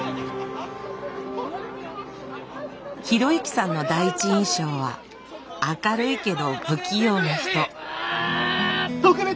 啓之さんの第一印象は明るいけど不器用な人。